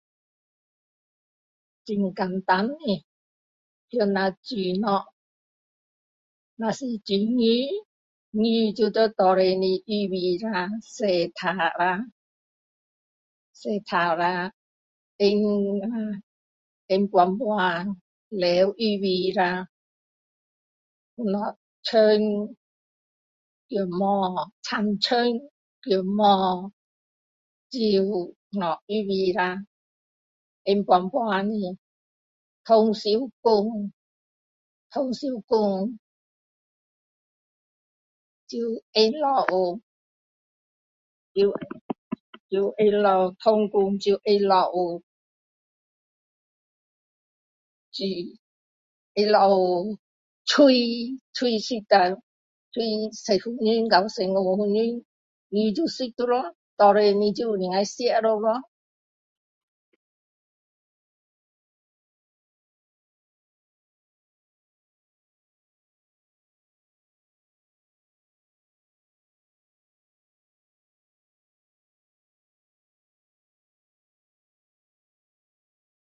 很简单的若煮东西若是煮鱼鱼就要拿出来准备下洗干净了洗干净了放在放盘盘料预备一下葱姜母青葱姜母酒什么预备下放盘盘的汤烧滚烫烧滚就放下去就放去汤滚就放下去煮放下去蒸蒸熟下蒸10分钟到15分钟鱼就熟了咯拿起来就可以吃了咯